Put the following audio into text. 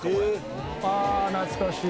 あ懐かしい。